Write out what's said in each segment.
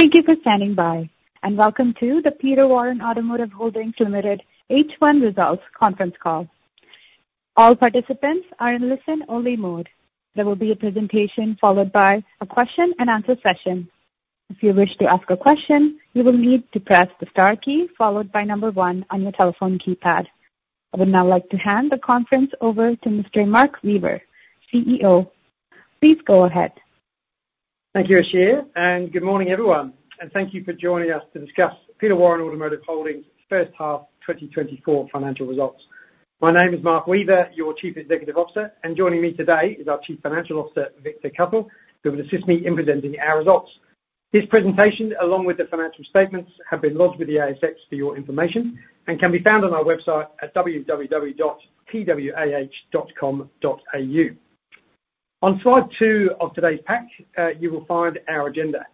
Thank you for standing by, and welcome to the Peter Warren Automotive Holdings Limited H1 Results Conference Call. All participants are in listen-only mode. There will be a presentation followed by a question-and-answer session. If you wish to ask a question, you will need to press the star key followed by number one on your telephone keypad. I would now like to hand the conference over to Mr. Mark Weaver, CEO. Please go ahead. Thank you, Ashia, and good morning, everyone. Thank you for joining us to discuss Peter Warren Automotive Holdings' H1 2024 financial results. My name is Mark Weaver, your Chief Executive Officer, and joining me today is our Chief Financial Officer, Victor Cuthell, who will assist me in presenting our results. This presentation, along with the financial statements, have been logged with the ASX for your information and can be found on our website at www.pwah.com.au. On slide two of today's pack, you will find our agenda.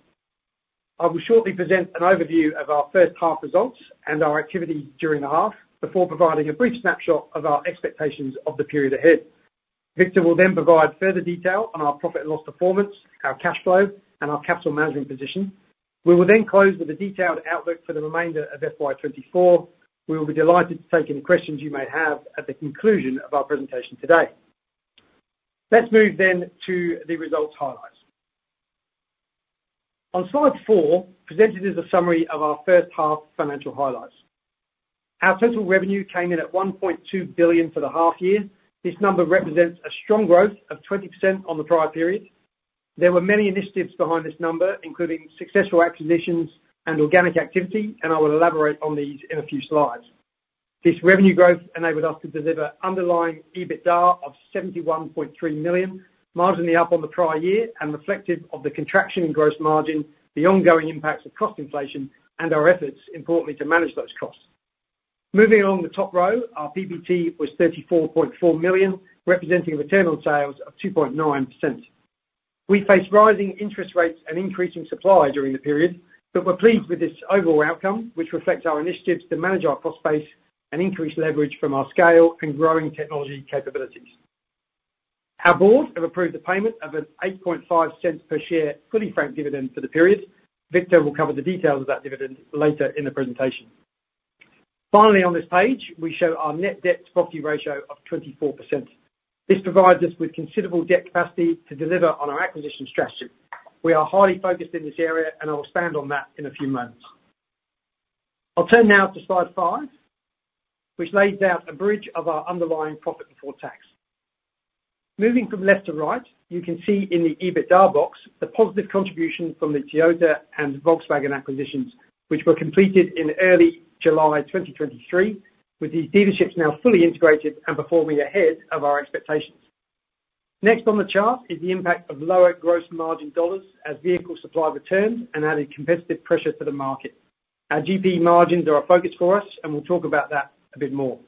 I will shortly present an overview of our H1 results and our activity during the half before providing a brief snapshot of our expectations of the period ahead. Victor will then provide further detail on our profit and loss performance, our cash flow, and our capital management position. We will then close with a detailed outlook for the remainder of FY2024. We will be delighted to take any questions you may have at the conclusion of our presentation today. Let's move then to the results highlights. On slide four, presented is a summary of our H1 financial highlights. Our total revenue came in at 1.2 billion for the half year. This number represents a strong growth of 20% on the prior period. There were many initiatives behind this number, including successful acquisitions and organic activity, and I will elaborate on these in a few slides. This revenue growth enabled us to deliver underlying EBITDA of 71.3 million, marginally up on the prior year and reflective of the contraction in gross margin, the ongoing impacts of cost inflation, and our efforts, importantly, to manage those costs. Moving along the top row, our PBT was 34.4 million, representing a return on sales of 2.9%. We faced rising interest rates and increasing supply during the period, but were pleased with this overall outcome, which reflects our initiatives to manage our cost base and increase leverage from our scale and growing technology capabilities. Our board have approved the payment of 0.085 per share fully franked dividend for the period. Victor will cover the details of that dividend later in the presentation. Finally, on this page, we show our net debt-to-property ratio of 24%. This provides us with considerable debt capacity to deliver on our acquisition strategy. We are highly focused in this area, and I will stand on that in a few moments. I'll turn now to slide five, which lays out a bridge of our underlying profit before tax. Moving from left to right, you can see in the EBITDA box the positive contribution from the Toyota and Volkswagen acquisitions, which were completed in early July 2023, with these dealerships now fully integrated and performing ahead of our expectations. Next on the chart is the impact of lower gross margin dollars as vehicle supply returned and added competitive pressure to the market. Our GP margins are a focus for us, and we'll talk about that a bit more.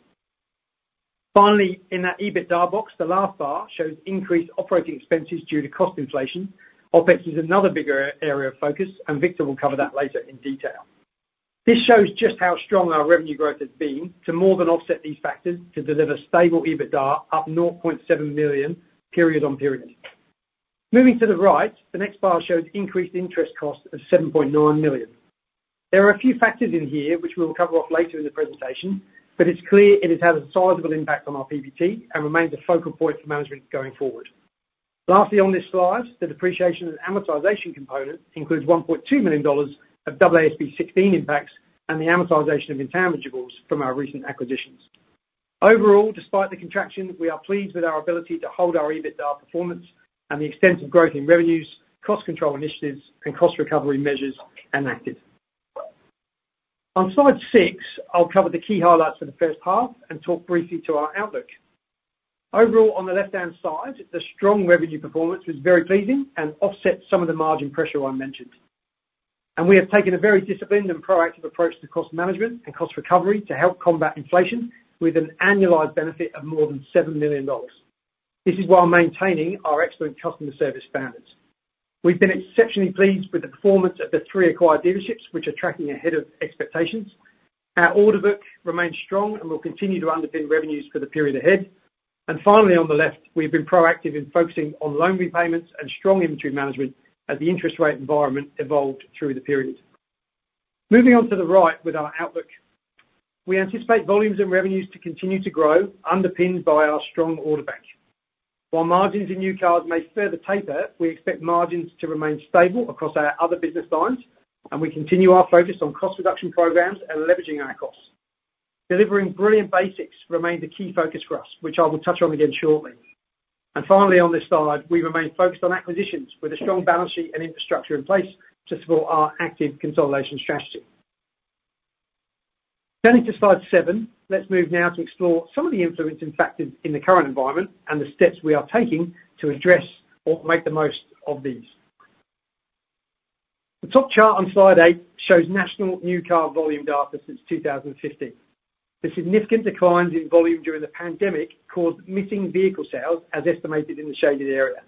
Finally, in that EBITDA box, the last bar shows increased operating expenses due to cost inflation. OPEX is another bigger area of focus, and Victor will cover that later in detail. This shows just how strong our revenue growth has been to more than offset these factors to deliver stable EBITDA up north 0.7 million period on period. Moving to the right, the next bar shows increased interest costs of 7.9 million. There are a few factors in here which we will cover off later in the presentation, but it's clear it has had a sizable impact on our PBT and remains a focal point for management going forward. Lastly, on this slide, the depreciation and amortization component includes 1.2 million dollars of AASB 16 impacts and the amortization of intangibles from our recent acquisitions. Overall, despite the contraction, we are pleased with our ability to hold our EBITDA performance and the extent of growth in revenues, cost control initiatives, and cost recovery measures enacted. On slide six, I'll cover the key highlights for the H1 and talk briefly to our outlook. Overall, on the left-hand side, the strong revenue performance was very pleasing and offset some of the margin pressure I mentioned. We have taken a very disciplined and proactive approach to cost management and cost recovery to help combat inflation with an annualized benefit of more than 7 million dollars. This is while maintaining our excellent customer service standards. We've been exceptionally pleased with the performance of the three acquired dealerships, which are tracking ahead of expectations. Our order book remains strong and will continue to underpin revenues for the period ahead. And finally, on the left, we have been proactive in focusing on loan repayments and strong inventory management as the interest rate environment evolved through the period. Moving on to the right with our outlook. We anticipate volumes and revenues to continue to grow, underpinned by our strong order bank. While margins in new cars may further taper, we expect margins to remain stable across our other business lines, and we continue our focus on cost reduction programs and leveraging our costs. Delivering brilliant basics remains a key focus for us, which I will touch on again shortly. And finally, on this side, we remain focused on acquisitions with a strong balance sheet and infrastructure in place to support our active consolidation strategy. Turning to slide seven, let's move now to explore some of the influencing factors in the current environment and the steps we are taking to address or make the most of these. The top chart on slide eight, shows national new car volume data since 2015. The significant declines in volume during the pandemic caused missing vehicle sales, as estimated in the shaded area.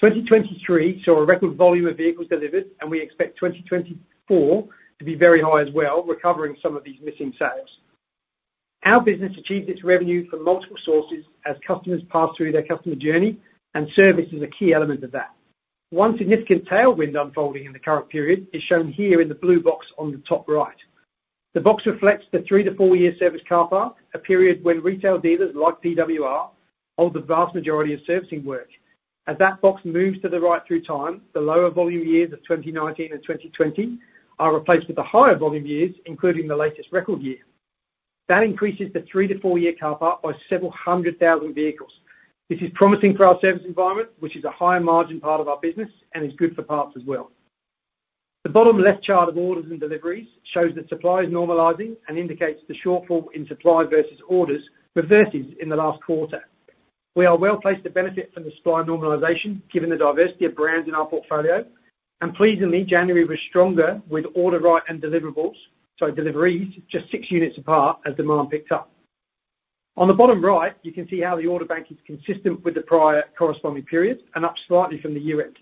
2023 saw a record volume of vehicles delivered, and we expect 2024 to be very high as well, recovering some of these missing sales. Our business achieves its revenue from multiple sources as customers pass through their customer journey, and service is a key element of that. One significant tailwind unfolding in the current period is shown here in the blue box on the top right. The box reflects the 3-4-year service car park, a period when retail dealers like PWR hold the vast majority of servicing work. As that box moves to the right through time, the lower volume years of 2019 and 2020 are replaced with the higher volume years, including the latest record year. That increases the 3-4-year car park by several hundred thousand vehicles. This is promising for our service environment, which is a higher margin part of our business and is good for parts as well. The bottom left chart of orders and deliveries shows that supply is normalizing and indicates the shortfall in supply versus orders reverses in the last quarter. We are well placed to benefit from the supply normalization given the diversity of brands in our portfolio, and pleasingly, January was stronger with order write and deliveries just six units apart as demand picked up. On the bottom right, you can see how the order bank is consistent with the prior corresponding period and up slightly from the year-end.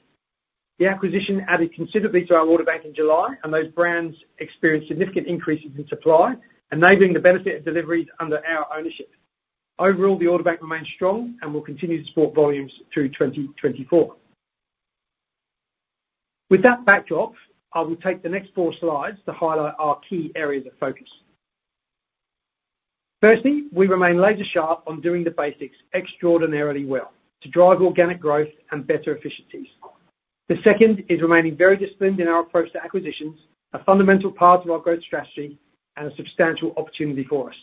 The acquisition added considerably to our order bank in July, and those brands experienced significant increases in supply, enabling the benefit of deliveries under our ownership. Overall, the order bank remains strong and will continue to support volumes through 2024. With that backdrop, I will take the next four slides to highlight our key areas of focus. Firstly, we remain laser-sharp on doing the basics extraordinarily well to drive organic growth and better efficiencies. The second is remaining very disciplined in our approach to acquisitions, a fundamental part of our growth strategy and a substantial opportunity for us.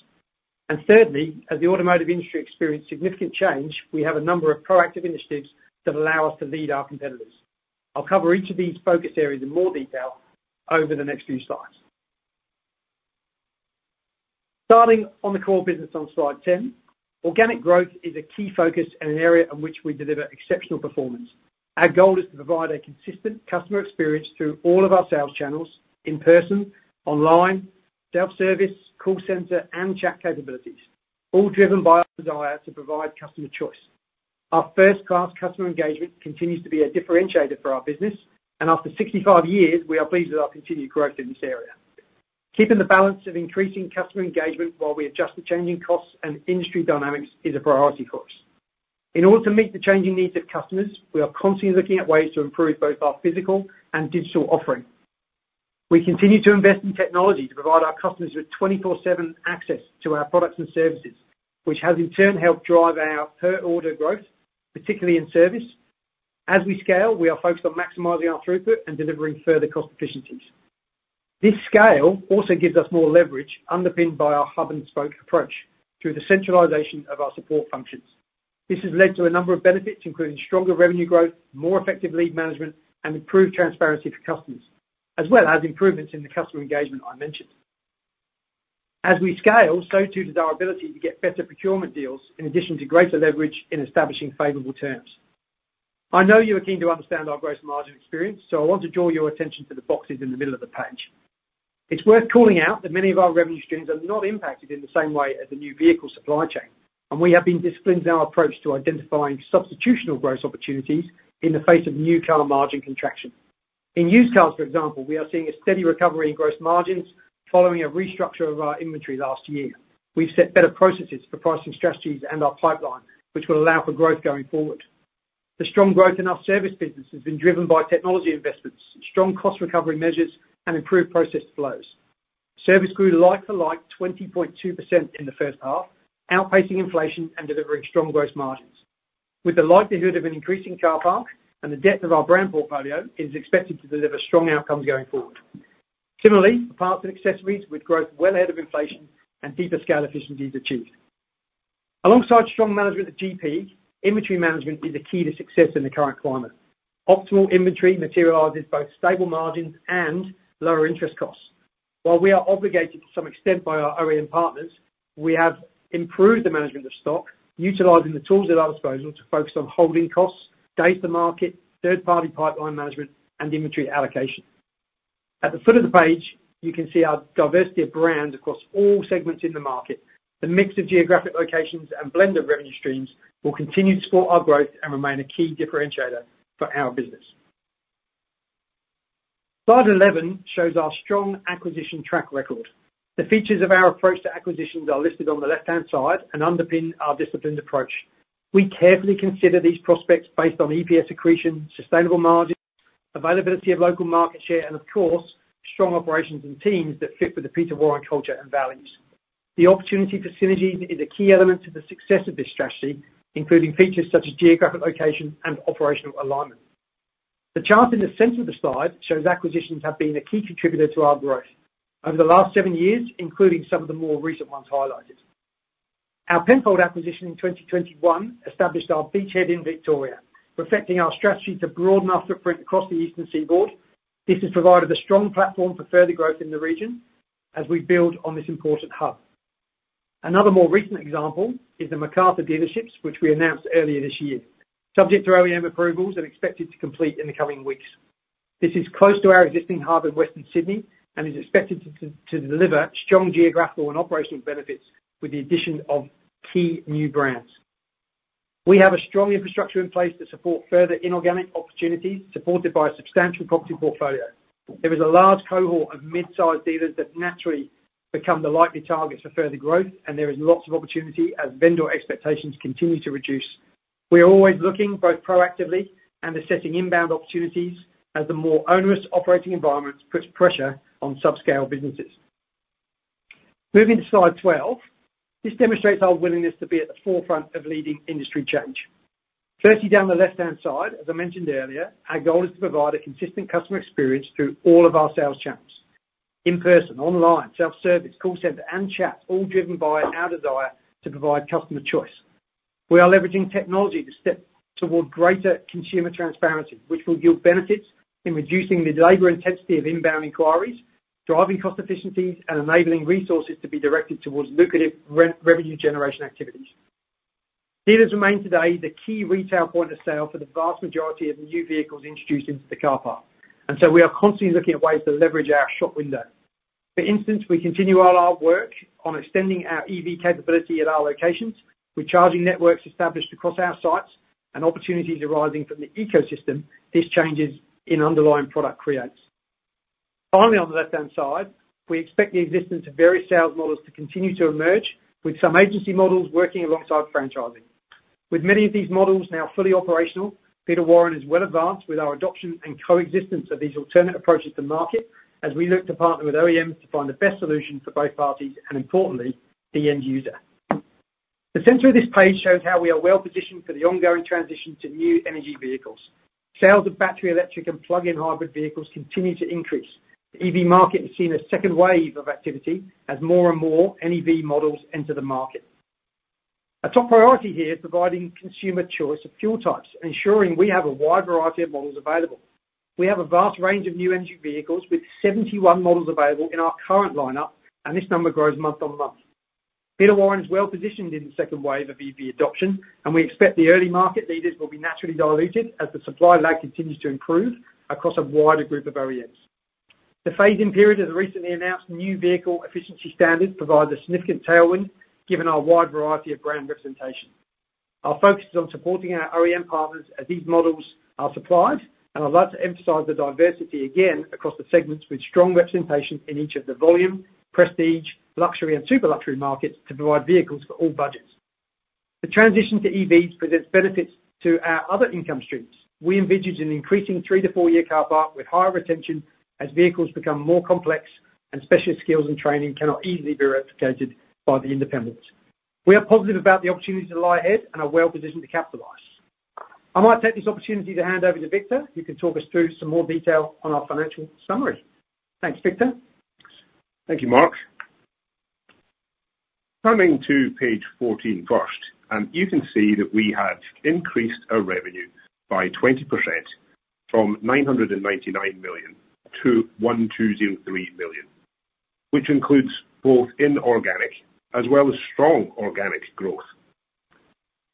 And thirdly, as the automotive industry experienced significant change, we have a number of proactive initiatives that allow us to lead our competitors. I'll cover each of these focus areas in more detail over the next few slides. Starting on the core business on slide 10, organic growth is a key focus and an area in which we deliver exceptional performance. Our goal is to provide a consistent customer experience through all of our sales channels: in person, online, self-service, call center, and chat capabilities, all driven by our desire to provide customer choice. Our first-class customer engagement continues to be a differentiator for our business, and after 65 years, we are pleased with our continued growth in this area. Keeping the balance of increasing customer engagement while we adjust to changing costs and industry dynamics is a priority for us. In order to meet the changing needs of customers, we are constantly looking at ways to improve both our physical and digital offering. We continue to invest in technology to provide our customers with 24/7 access to our products and services, which has in turn helped drive our per-order growth, particularly in service. As we scale, we are focused on maximizing our throughput and delivering further cost efficiencies. This scale also gives us more leverage, underpinned by our hub-and-spoke approach through the centralization of our support functions. This has led to a number of benefits, including stronger revenue growth, more effective lead management, and improved transparency for customers, as well as improvements in the customer engagement I mentioned. As we scale, so too does our ability to get better procurement deals in addition to greater leverage in establishing favorable terms. I know you are keen to understand our gross margin experience, so I want to draw your attention to the boxes in the middle of the page. It's worth calling out that many of our revenue streams are not impacted in the same way as the new vehicle supply chain, and we have been disciplined in our approach to identifying substitutional growth opportunities in the face of new car margin contraction. In used cars, for example, we are seeing a steady recovery in gross margins following a restructure of our inventory last year. We've set better processes for pricing strategies and our pipeline, which will allow for growth going forward. The strong growth in our service business has been driven by technology investments, strong cost recovery measures, and improved process flows. Service grew like-for-like 20.2% in the H1, outpacing inflation and delivering strong gross margins. With the likelihood of an increasing car park and the depth of our brand portfolio, it is expected to deliver strong outcomes going forward. Similarly, parts and accessories with growth well ahead of inflation and deeper scale efficiencies achieved. Alongside strong management of GP, inventory management is a key to success in the current climate. Optimal inventory materialises both stable margins and lower interest costs. While we are obligated to some extent by our OEM partners, we have improved the management of stock, utilizing the tools at our disposal to focus on holding costs, days to market, third-party pipeline management, and inventory allocation. At the foot of the page, you can see our diversity of brands across all segments in the market. The mix of geographic locations and blend of revenue streams will continue to support our growth and remain a key differentiator for our business. Slide 11 shows our strong acquisition track record. The features of our approach to acquisitions are listed on the left-hand side and underpin our disciplined approach. We carefully consider these prospects based on EPS accretion, sustainable margins, availability of local market share, and of course, strong operations and teams that fit with the Peter Warren culture and values. The opportunity for synergies is a key element to the success of this strategy, including features such as geographic location and operational alignment. The chart in the center of the slide shows acquisitions have been a key contributor to our growth over the last seven years, including some of the more recent ones highlighted. Our Penfold acquisition in 2021 established our beachhead in Victoria, reflecting our strategy to broaden our footprint across the eastern seaboard. This has provided a strong platform for further growth in the region as we build on this important hub. Another more recent example is the Macarthur dealerships, which we announced earlier this year, subject to OEM approvals and expected to complete in the coming weeks. This is close to our existing hub in Western Sydney and is expected to deliver strong geographical and operational benefits with the addition of key new brands. We have a strong infrastructure in place to support further inorganic opportunities supported by a substantial property portfolio. There is a large cohort of mid-sized dealers that naturally become the likely targets for further growth, and there is lots of opportunity as vendor expectations continue to reduce. We are always looking both proactively and assessing inbound opportunities as the more onerous operating environment puts pressure on subscale businesses. Moving to slide 12, this demonstrates our willingness to be at the forefront of leading industry change. Firstly, down the left-hand side, as I mentioned earlier, our goal is to provide a consistent customer experience through all of our sales channels: in person, online, self-service, call center, and chat, all driven by our desire to provide customer choice. We are leveraging technology to step toward greater consumer transparency, which will yield benefits in reducing the labor intensity of inbound inquiries, driving cost efficiencies, and enabling resources to be directed towards lucrative revenue generation activities. Dealers remain today the key retail point of sale for the vast majority of new vehicles introduced into the car park, and so we are constantly looking at ways to leverage our shop window. For instance, we continue on our work on extending our EV capability at our locations with charging networks established across our sites and opportunities arising from the ecosystem these changes in underlying product create. Finally, on the left-hand side, we expect the existence of various sales models to continue to emerge, with some agency models working alongside franchising. With many of these models now fully operational, Peter Warren is well advanced with our adoption and coexistence of these alternate approaches to market as we look to partner with OEMs to find the best solution for both parties and, importantly, the end user. The center of this page shows how we are well positioned for the ongoing transition to new energy vehicles. Sales of battery electric and plug-in hybrid vehicles continue to increase. The EV market has seen a second wave of activity as more and more NEV models enter the market. A top priority here is providing consumer choice of fuel types and ensuring we have a wide variety of models available. We have a vast range of new energy vehicles with 71 models available in our current lineup, and this number grows month on month. Peter Warren is well positioned in the second wave of EV adoption, and we expect the early market leaders will be naturally diluted as the supply lag continues to improve across a wider group of OEMs. The phase-in period of the recently announced New Vehicle Efficiency Standards provides a significant tailwind given our wide variety of brand representation. Our focus is on supporting our OEM partners as these models are supplied, and I'd like to emphasize the diversity again across the segments with strong representation in each of the volume, prestige, luxury, and super-luxury markets to provide vehicles for all budgets. The transition to EVs presents benefits to our other income streams. We envisage an increasing 3-4-year car park with higher retention as vehicles become more complex and specialist skills and training cannot easily be replicated by the independents. We are positive about the opportunities that lie ahead and are well positioned to capitalize. I might take this opportunity to hand over to Victor, who can talk us through some more detail on our financial summary. Thanks, Victor. Thank you, Mark. Coming to page 14 first, you can see that we have increased our revenue by 20% from 999 million to 1,203 million, which includes both inorganic as well as strong organic growth.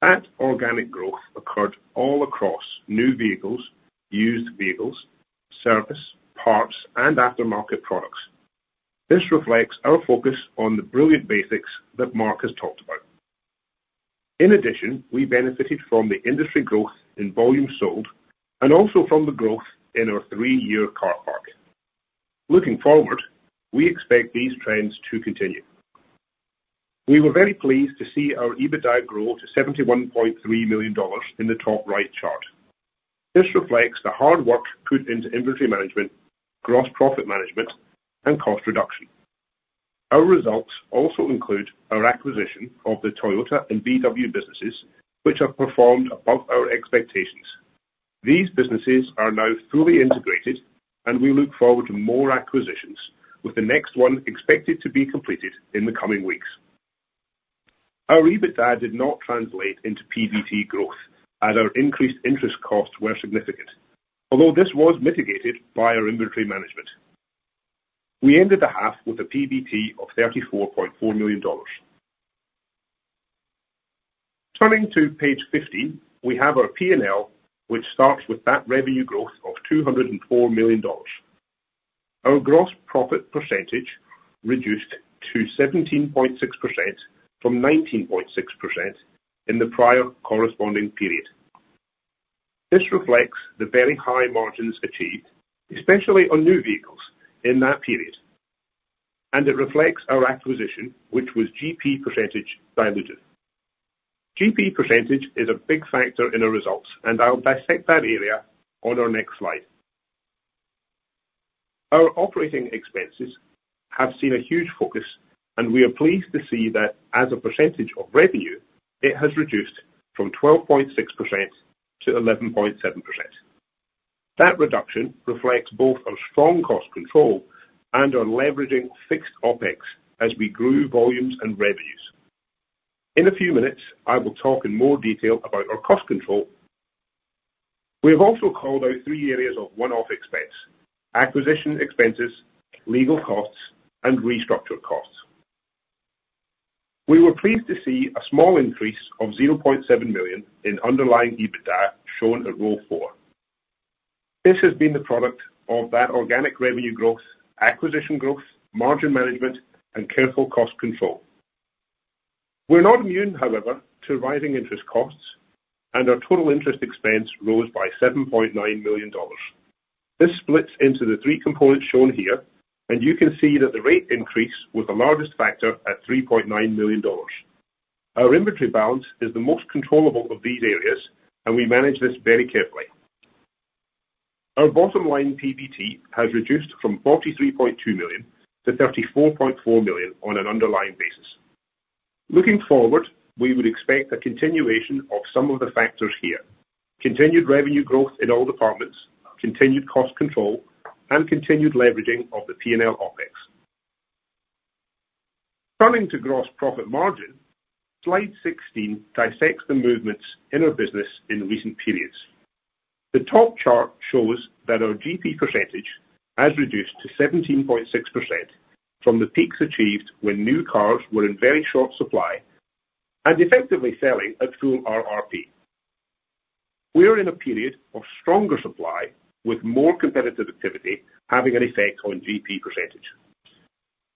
That organic growth occurred all across new vehicles, used vehicles, service, parts, and aftermarket products. This reflects our focus on the brilliant basics that Mark has talked about. In addition, we benefited from the industry growth in volume sold and also from the growth in our three-year car park. Looking forward, we expect these trends to continue. We were very pleased to see our EBITDA grow to 71.3 million dollars in the top right chart. This reflects the hard work put into inventory management, gross profit management, and cost reduction. Our results also include our acquisition of the Toyota and VW businesses, which have performed above our expectations. These businesses are now fully integrated, and we look forward to more acquisitions, with the next one expected to be completed in the coming weeks. Our EBITDA did not translate into PBT growth as our increased interest costs were significant, although this was mitigated by our inventory management. We ended the half with a PBT of 34.4 million dollars. Turning to page 15, we have our P&L, which starts with that revenue growth of 204 million dollars. Our gross profit percentage reduced to 17.6% from 19.6% in the prior corresponding period. This reflects the very high margins achieved, especially on new vehicles, in that period. It reflects our acquisition, which was GP percentage diluted. GP percentage is a big factor in our results, and I'll dissect that area on our next slide. Our operating expenses have seen a huge focus, and we are pleased to see that as a percentage of revenue, it has reduced from 12.6% to 11.7%. That reduction reflects both our strong cost control and our leveraging fixed OPEX as we grew volumes and revenues. In a few minutes, I will talk in more detail about our cost control. We have also called out three areas of one-off expense: acquisition expenses, legal costs, and restructure costs. We were pleased to see a small increase of 0.7 million in underlying EBITDA shown at row four. This has been the product of that organic revenue growth, acquisition growth, margin management, and careful cost control. We're not immune, however, to rising interest costs, and our total interest expense rose by 7.9 million dollars. This splits into the three components shown here, and you can see that the rate increase was the largest factor at 3.9 million dollars. Our inventory balance is the most controllable of these areas, and we manage this very carefully. Our bottom-line PBT has reduced from 43.2 million to 34.4 million on an underlying basis. Looking forward, we would expect a continuation of some of the factors here: continued revenue growth in all departments, continued cost control, and continued leveraging of the P&L OPEX. Turning to gross profit margin, slide 16 dissects the movements in our business in recent periods. The top chart shows that our GP percentage has reduced to 17.6% from the peaks achieved when new cars were in very short supply and effectively selling at full RRP. We are in a period of stronger supply, with more competitive activity having an effect on GP percentage.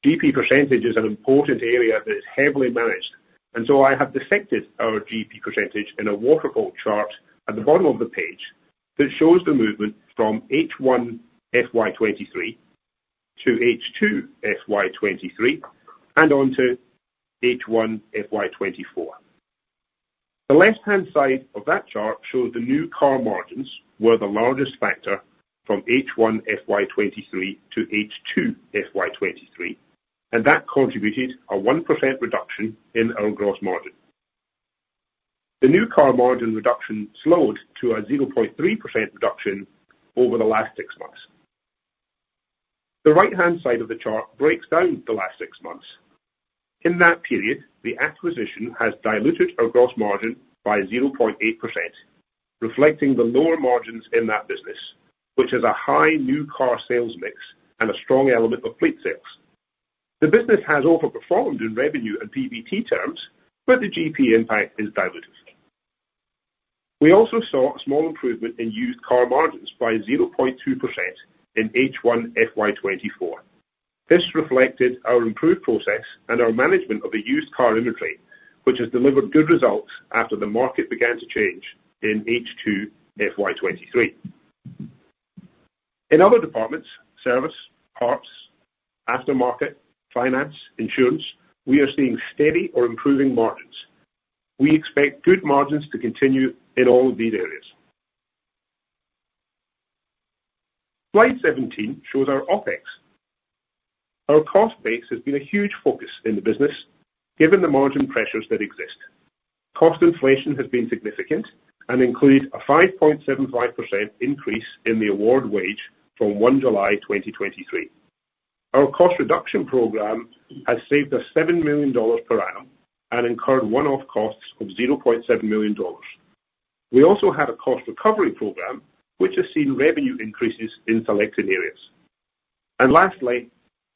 GP percentage is an important area that is heavily managed, and so I have dissected our GP percentage in a waterfall chart at the bottom of the page that shows the movement from H1FY23 to H2FY23 and onto H1FY24. The left-hand side of that chart shows the new car margins were the largest factor from H1FY23 to H2FY23, and that contributed a 1% reduction in our gross margin. The new car margin reduction slowed to a 0.3% reduction over the last six months. The right-hand side of the chart breaks down the last six months. In that period, the acquisition has diluted our gross margin by 0.8%, reflecting the lower margins in that business, which has a high new car sales mix and a strong element of plate sales. The business has overperformed in revenue and PBT terms, but the GP impact is diluted. We also saw a small improvement in used car margins by 0.2% in H1FY24. This reflected our improved process and our management of the used car inventory, which has delivered good results after the market began to change in H2FY23. In other departments - service, parts, aftermarket, finance, insurance - we are seeing steady or improving margins. We expect good margins to continue in all of these areas. Slide 17 shows our OPEX. Our cost base has been a huge focus in the business given the margin pressures that exist. Cost inflation has been significant and included a 5.75% increase in the award wage from 1 July 2023. Our cost reduction program has saved us 7 million dollars per annum and incurred one-off costs of 0.7 million dollars. We also have a cost recovery program, which has seen revenue increases in selected areas. Lastly,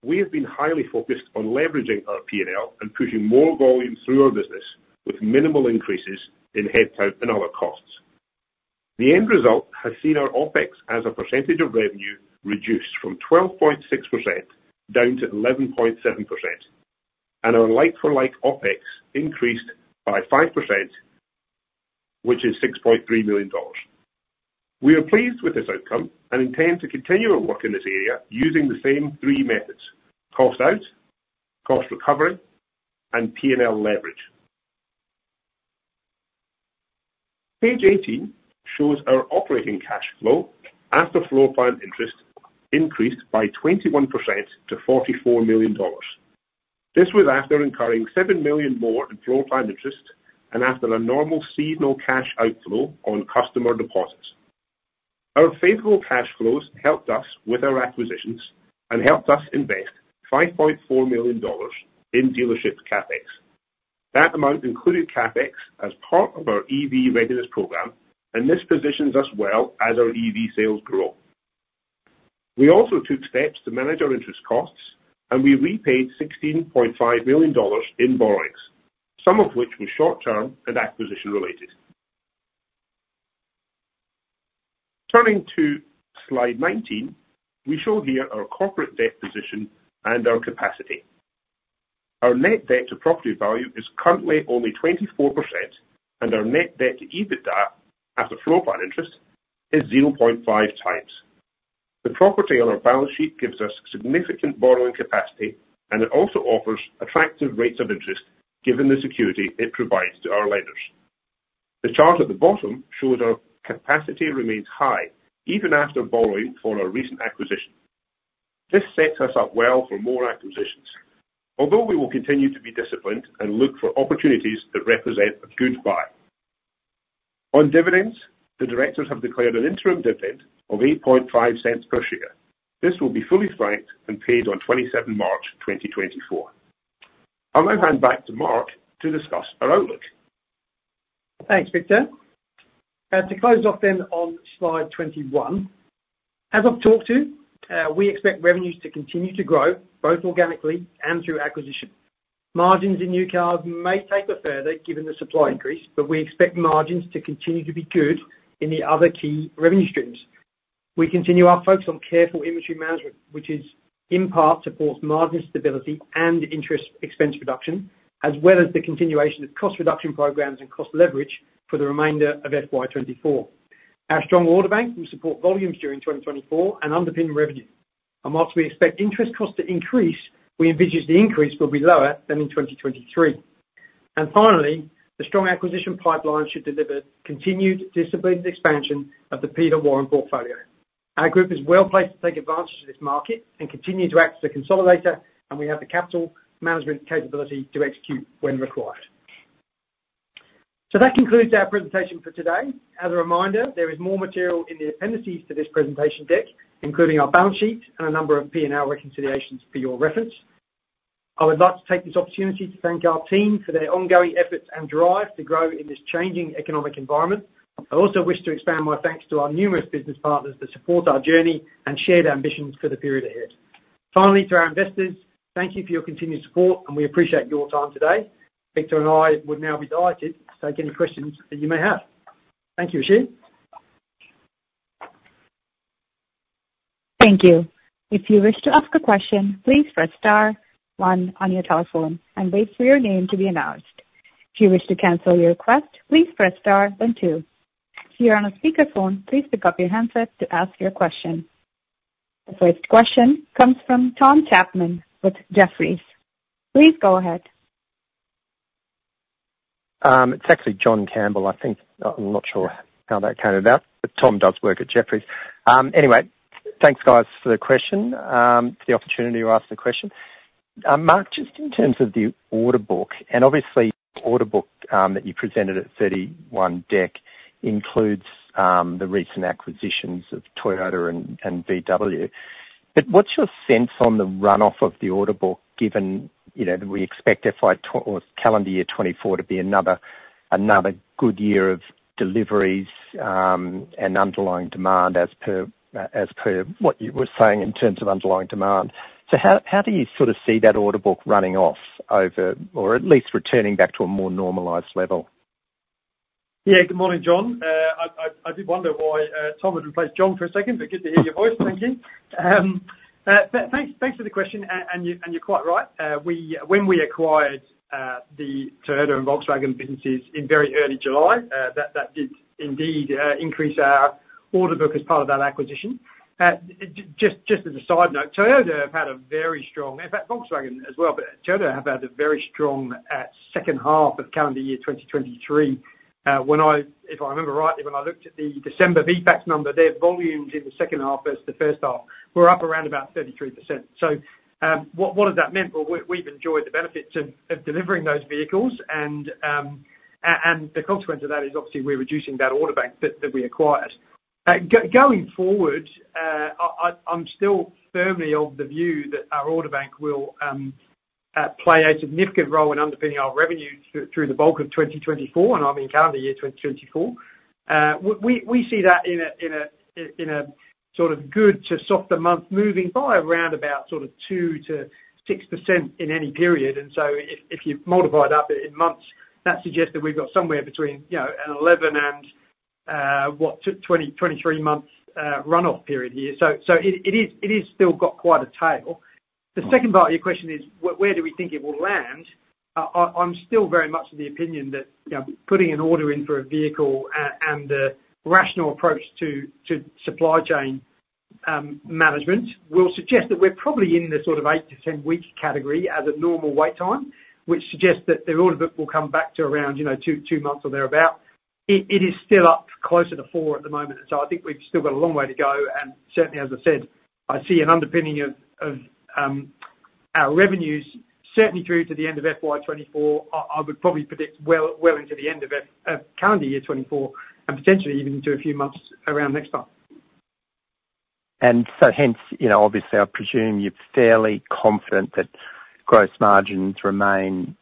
we have been highly focused on leveraging our P&L and pushing more volume through our business with minimal increases in headcount and other costs. The end result has seen our OPEX as a percentage of revenue reduced from 12.6% down to 11.7%. Our like-for-like OPEX increased by 5%, which is 6.3 million dollars. We are pleased with this outcome and intend to continue our work in this area using the same three methods: cost out, cost recovery, and P&L leverage. Page 18 shows our operating cash flow after floor plan interest increased by 21% to 44 million dollars. This was after incurring 7 million more in floor plan interest and after a normal seasonal cash outflow on customer deposits. Our favorable cash flows helped us with our acquisitions and helped us invest 5.4 million dollars in dealership CAPEX. That amount included CapEx as part of our EV readiness program, and this positions us well as our EV sales grow. We also took steps to manage our interest costs, and we repaid 16.5 million dollars in borrowings, some of which were short-term and acquisition-related. Turning to slide 19, we show here our corporate debt position and our capacity. Our net debt to property value is currently only 24%, and our net debt to EBITDA after floor plan interest is 0.5x. The property on our balance sheet gives us significant borrowing capacity, and it also offers attractive rates of interest given the security it provides to our lenders. The chart at the bottom shows our capacity remains high even after borrowing for our recent acquisition. This sets us up well for more acquisitions, although we will continue to be disciplined and look for opportunities that represent a good buy. On dividends, the directors have declared an interim dividend of 0.08 per share. This will be fully franked and paid on 27 March 2024. I'll now hand back to Mark to discuss our outlook. Thanks, Victor. To close off then on slide 21. As I've talked to, we expect revenues to continue to grow both organically and through acquisition. Margins in new cars may taper further given the supply increase, but we expect margins to continue to be good in the other key revenue streams. We continue our focus on careful inventory management, which in part supports margin stability and interest expense reduction as well as the continuation of cost reduction programs and cost leverage for the remainder of FY24. Our strong order bank will support volumes during 2024 and underpin revenue. And whilst we expect interest costs to increase, we envisage the increase will be lower than in 2023. And finally, the strong acquisition pipeline should deliver continued disciplined expansion of the Peter Warren portfolio. Our group is well placed to take advantage of this market and continue to act as a consolidator, and we have the capital management capability to execute when required. So that concludes our presentation for today. As a reminder, there is more material in the appendices to this presentation deck, including our balance sheet and a number of P&L reconciliations for your reference. I would like to take this opportunity to thank our team for their ongoing efforts and drive to grow in this changing economic environment. I also wish to expand my thanks to our numerous business partners that support our journey and shared ambitions for the period ahead. Finally, to our investors, thank you for your continued support, and we appreciate your time today. Victor and I would now be delighted to take any questions that you may have. Thank you, Ashia. Thank you. If you wish to ask a question, please press star one on your telephone and wait for your name to be announced. If you wish to cancel your request, please press star then two. If you are on a speakerphone, please pick up your handset to ask your question. The first question comes from Tom Chapman with Jefferies. Please go ahead. It's actually John Campbell, I think. I'm not sure how that came about, but Tom does work at Jefferies. Anyway, thanks guys for the question, for the opportunity to ask the question. Mark, just in terms of the order book and obviously the order book that you presented at 31 Dec includes the recent acquisitions of Toyota and VW. But what's your sense on the run-off of the order book given that we expect FY or calendar year 2024 to be another good year of deliveries and underlying demand as per what you were saying in terms of underlying demand? So how do you sort of see that order book running off over or at least returning back to a more normalized level? Yeah. Good morning, John. I did wonder why Tom had replaced John for a second, but good to hear your voice. Thank you. Thanks for the question, and you're quite right. When we acquired the Toyota and Volkswagen businesses in very early July, that did indeed increase our order book as part of that acquisition. Just as a side note, Toyota have had a very strong, in fact, Volkswagen as well, but Toyota have had a very strong H2 of calendar year 2023. If I remember right, when I looked at the December VFACTS number, their volumes in the H2 versus the H1 were up around about 33%. So what has that meant? Well, we've enjoyed the benefits of delivering those vehicles, and the consequence of that is obviously we're reducing that order bank that we acquired. Going forward, I'm still firmly of the view that our order bank will play a significant role in underpinning our revenue through the bulk of 2024, and I mean calendar year 2024. We see that in a sort of good to softer month moving by around about sort of 2%-6% in any period. And so if you multiply it up in months, that suggests that we've got somewhere between an 11 and, what, 20, 23 month run-off period here. So it is still got quite a tail. The second part of your question is where do we think it will land? I'm still very much of the opinion that putting an order in for a vehicle and the rational approach to supply chain management will suggest that we're probably in the sort of 8-10-week category as a normal wait time, which suggests that the order book will come back to around two months or thereabout. It is still up closer to four at the moment, and so I think we've still got a long way to go. And certainly, as I said, I see an underpinning of our revenues certainly through to the end of FY24. I would probably predict well into the end of calendar year 2024 and potentially even into a few months around next time. And so hence, obviously, I presume you're fairly confident that gross margins remain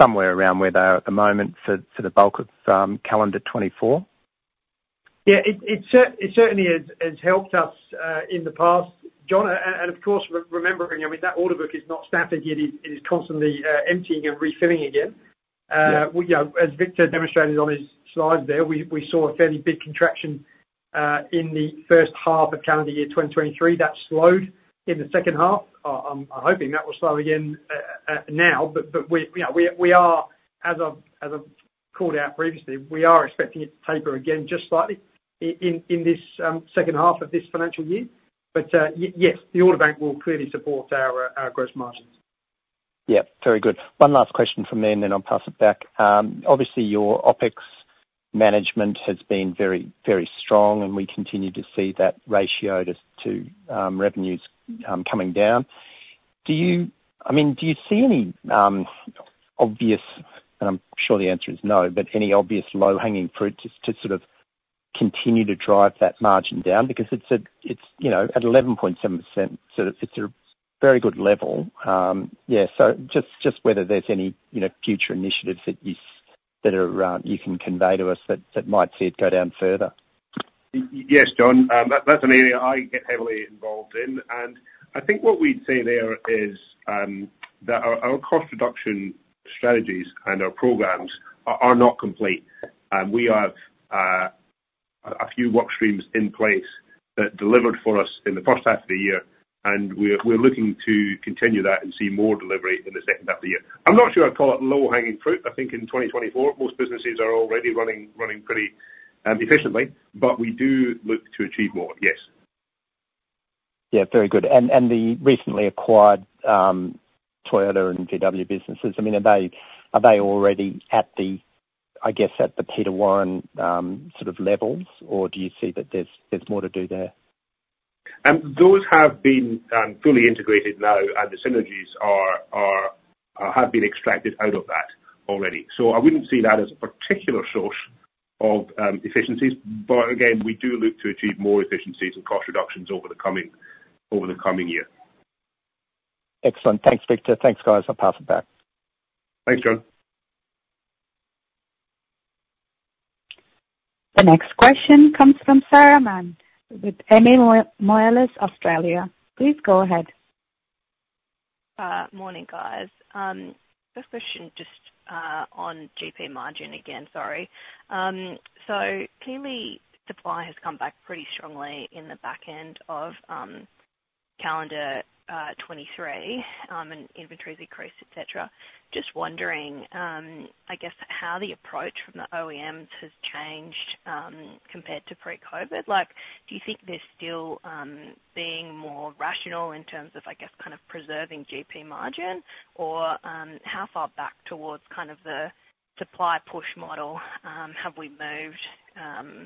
somewhere around where they are at the moment for the bulk of calendar 2024? Yeah. It certainly has helped us in the past, John. And of course, remembering, I mean, that order bank is not static yet. It is constantly emptying and refilling again. As Victor demonstrated on his slides there, we saw a fairly big contraction in the H1 of calendar year 2023. That slowed in the H2. I'm hoping that will slow again now, but we are as I've called out previously, we are expecting it to taper again just slightly in this H2 of this financial year. But yes, the order bank will clearly support our gross margins. Yep. Very good. One last question from me, and then I'll pass it back. Obviously, your OPEX management has been very, very strong, and we continue to see that ratio to revenues coming down. I mean, do you see any obvious and I'm sure the answer is no, but any obvious low-hanging fruit to sort of continue to drive that margin down? Because it's at 11.7%. It's a very good level. Yeah. So just whether there's any future initiatives that you can convey to us that might see it go down further. Yes, John. That's an area I get heavily involved in. And I think what we'd say there is that our cost reduction strategies and our programs are not complete. We have a few workstreams in place that delivered for us in the H1 of the year, and we're looking to continue that and see more delivery in the H2 of the year. I'm not sure I'd call it low-hanging fruit. I think in 2024, most businesses are already running pretty efficiently, but we do look to achieve more. Yes. Yeah. Very good. And the recently acquired Toyota and VW businesses, I mean, are they already at the, I guess, at the Peter Warren sort of levels, or do you see that there's more to do there? Those have been fully integrated now, and the synergies have been extracted out of that already. So I wouldn't see that as a particular source of efficiencies. But again, we do look to achieve more efficiencies and cost reductions over the coming year. Excellent. Thanks, Victor. Thanks, guys. I'll pass it back. Thanks, John. The next question comes from Sarah Mann with Moelis Australia. Please go ahead. Morning, guys. First question just on GP margin again. Sorry. So clearly, supply has come back pretty strongly in the back end of calendar 2023 and inventories increased, etc. Just wondering, I guess, how the approach from the OEMs has changed compared to pre-COVID. Do you think there's still being more rational in terms of, I guess, kind of preserving GP margin, or how far back towards kind of the supply push model have we moved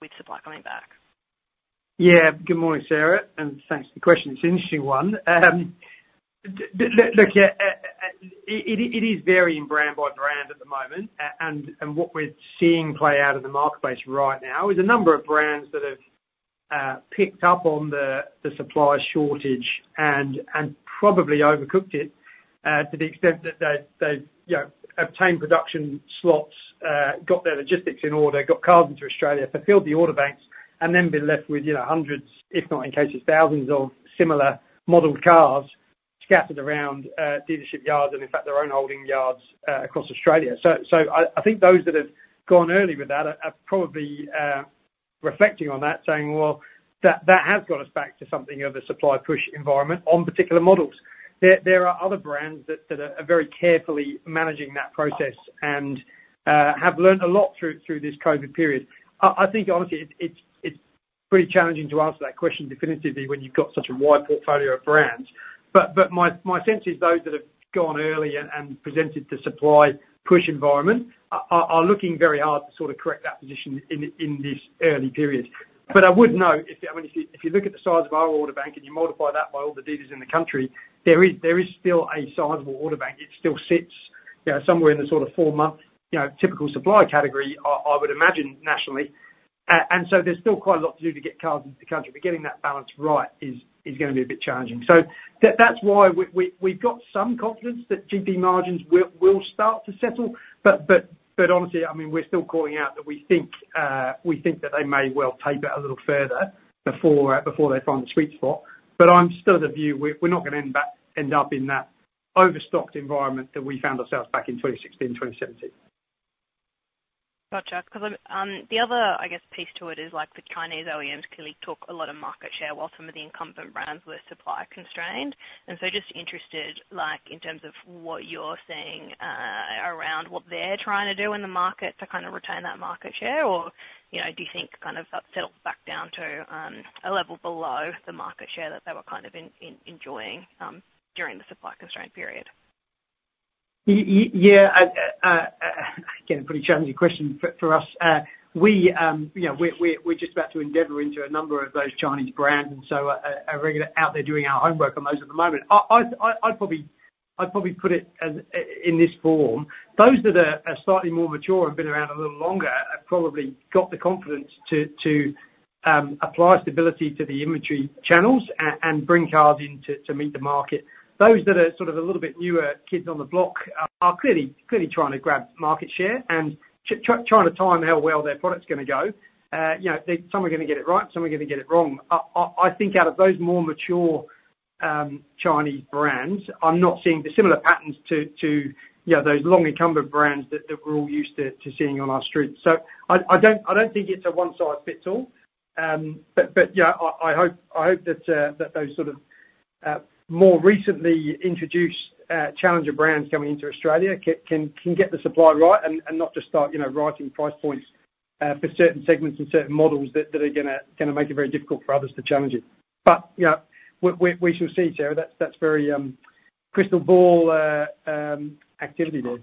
with supply coming back? Yeah. Good morning, Sarah, and thanks for the question. It's an interesting one. Look, it is varying brand by brand at the moment. What we're seeing play out in the marketplace right now is a number of brands that have picked up on the supply shortage and probably overcooked it to the extent that they've obtained production slots, got their logistics in order, got cars into Australia, fulfilled the order banks, and then been left with hundreds, if not in cases thousands, of similar modelled cars scattered around dealership yards and, in fact, their own holding yards across Australia. I think those that have gone early with that are probably reflecting on that, saying, well, that has got us back to something of a supply push environment on particular models. There are other brands that are very carefully managing that process and have learned a lot through this COVID period. I think, honestly, it's pretty challenging to answer that question definitively when you've got such a wide portfolio of brands. My sense is those that have gone early and presented the supply push environment are looking very hard to sort of correct that position in this early period. But I would know if I mean, if you look at the size of our order bank and you multiply that by all the dealers in the country, there is still a sizable order bank. It still sits somewhere in the sort of four month typical supply category, I would imagine, nationally. And so there's still quite a lot to do to get cars into the country, but getting that balance right is going to be a bit challenging. So that's why we've got some confidence that GP margins will start to settle. But honestly, I mean, we're still calling out that we think that they may well taper a little further before they find the sweet spot. But I'm still of the view we're not going to end up in that overstocked environment that we found ourselves back in 2016, 2017. Gotcha. Because the other, I guess, piece to it is the Chinese OEMs clearly took a lot of market share while some of the incumbent brands were supply-constrained. And so just interested in terms of what you're seeing around what they're trying to do in the market to kind of retain that market share, or do you think kind of that settled back down to a level below the market share that they were kind of enjoying during the supply-constrained period? Yeah. Again, a pretty challenging question for us. We're just about to endeavor into a number of those Chinese brands, and so are out there doing our homework on those at the moment. I'd probably put it in this form. Those that are slightly more mature and been around a little longer have probably got the confidence to apply stability to the inventory channels and bring cars in to meet the market. Those that are sort of a little bit newer kids on the block are clearly trying to grab market share and trying to time how well their product's going to go. Some are going to get it right. Some are going to get it wrong. I think out of those more mature Chinese brands, I'm not seeing the similar patterns to those long-incumbent brands that we're all used to seeing on our streets. So I don't think it's a one-size-fits-all. But I hope that those sort of more recently introduced challenger brands coming into Australia can get the supply right and not just start writing price points for certain segments and certain models that are going to make it very difficult for others to challenge it. But we shall see, Sarah. That's very crystal ball activity there.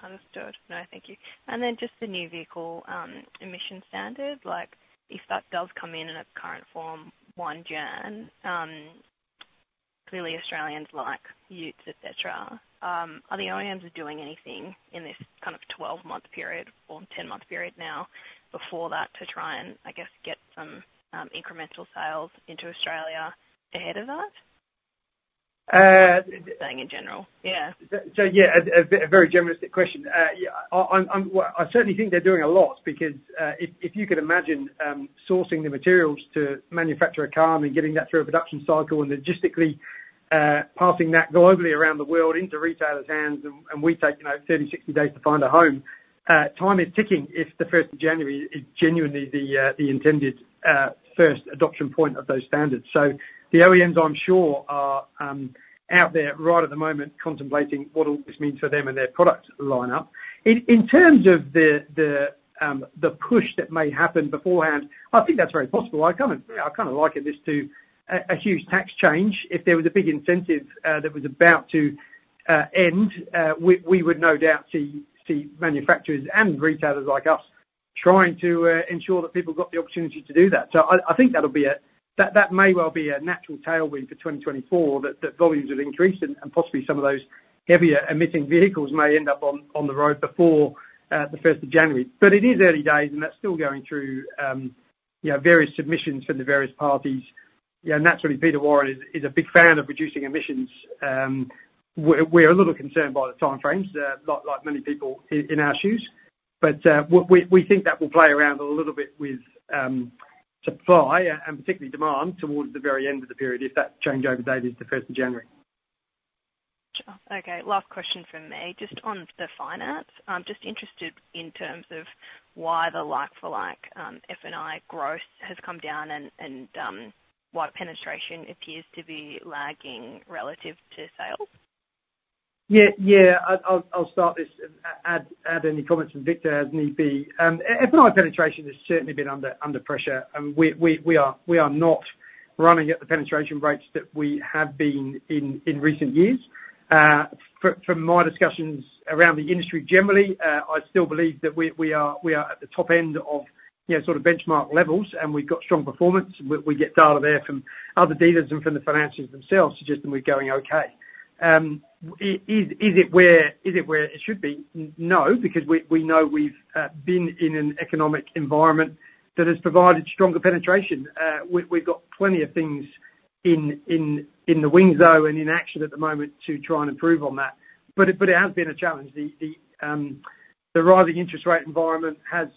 Understood. No, thank you. And then just the new vehicle emission standards, if that does come in in a current form, one year, clearly Australians like utes, etc. Are the OEMs doing anything in this kind of 12-month period or 10-month period now before that to try and, I guess, get some incremental sales into Australia ahead of that? Just saying in general. Yeah. So yeah, a very generalistic question. I certainly think they're doing a lot because if you could imagine sourcing the materials to manufacture a car and then getting that through a production cycle and logistically passing that globally around the world into retailers' hands and we take 30, 60 days to find a home, time is ticking if the 1st of January is genuinely the intended first adoption point of those standards. So the OEMs, I'm sure, are out there right at the moment contemplating what all this means for them and their product lineup. In terms of the push that may happen beforehand, I think that's very possible. I kind of like it as to a huge tax change. If there was a big incentive that was about to end, we would no doubt see manufacturers and retailers like us trying to ensure that people got the opportunity to do that. So I think that may well be a natural tailwind for 2024, that volumes would increase, and possibly some of those heavier emitting vehicles may end up on the road before the 1st of January. But it is early days, and that's still going through various submissions from the various parties. Naturally, Peter Warren is a big fan of reducing emissions. We're a little concerned by the timeframes, like many people in our shoes. But we think that will play around a little bit with supply and particularly demand towards the very end of the period if that change is dated to 1st of January. Sure. Okay. Last question from me. Just on the finance, I'm just interested in terms of why the like-for-like F&I growth has come down and why penetration appears to be lagging relative to sales. Yeah. Yeah. I'll start this. Add any comments from Victor as need be. F&I penetration has certainly been under pressure, and we are not running at the penetration rates that we have been in recent years. From my discussions around the industry generally, I still believe that we are at the top end of sort of benchmark levels, and we've got strong performance. We get data there from other dealers and from the financials themselves suggesting we're going okay. Is it where it should be? No, because we know we've been in an economic environment that has provided stronger penetration. We've got plenty of things in the wings, though, and in action at the moment to try and improve on that. But it has been a challenge. The rising interest rate environment has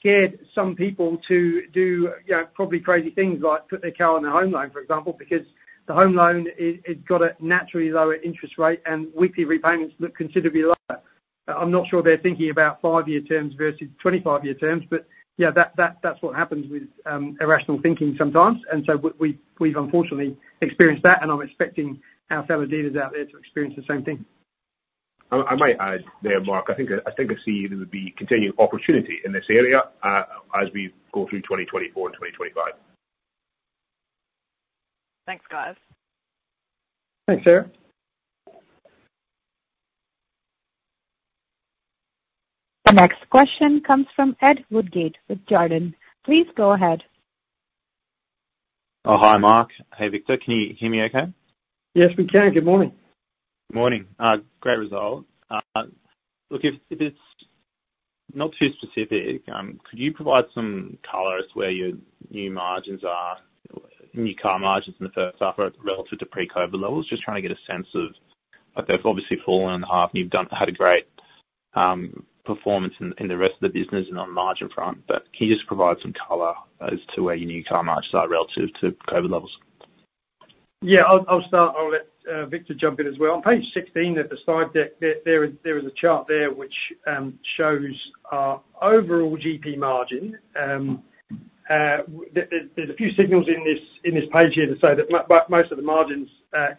scared some people to do probably crazy things like put their car on a home loan, for example, because the home loan has got a naturally lower interest rate and weekly repayments look considerably lower. I'm not sure they're thinking about five year terms versus 25-year terms, but yeah, that's what happens with irrational thinking sometimes. And so we've, unfortunately, experienced that, and I'm expecting our fellow dealers out there to experience the same thing. I might add there, Mark. I think I see there would be continued opportunity in this area as we go through 2024 and 2025. Thanks, guys. Thanks, Sarah. The next question comes from Ed Woodgate with Jarden. Please go ahead. Hi, Mark. Hey, Victor. Can you hear me okay? Yes, we can. Good morning. Good morning. Great result. Look, if it's not too specific, could you provide some color as to where your new margins are, new car margins in the H1 relative to pre-COVID levels? Just trying to get a sense of they've obviously fallen in the half, and you've had a great performance in the rest of the business and on margin front. But can you just provide some color as to where your new car margins are relative to COVID levels? Yeah. I'll let Victor jump in as well. On page 16 at the side deck, there is a chart there which shows our overall GP margin. There's a few signals in this page here to say that most of the margins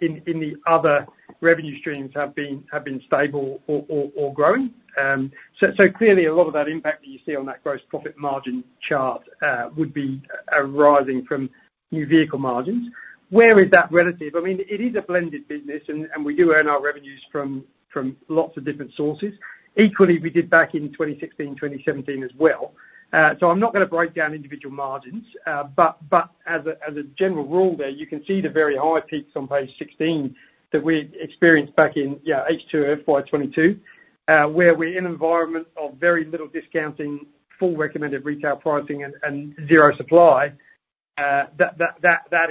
in the other revenue streams have been stable or growing. So clearly, a lot of that impact that you see on that gross profit margin chart would be arising from new vehicle margins. Where is that relative? I mean, it is a blended business, and we do earn our revenues from lots of different sources. Equally, we did back in 2016, 2017 as well. So I'm not going to break down individual margins. But as a general rule there, you can see the very high peaks on page 16 that we experienced back in H2FY22 where we're in an environment of very little discounting, full recommended retail pricing, and zero supply. That